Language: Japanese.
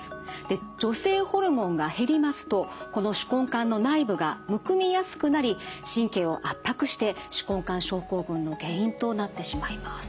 で女性ホルモンが減りますとこの手根管の内部がむくみやすくなり神経を圧迫して手根管症候群の原因となってしまいます。